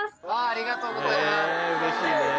ありがとうございます。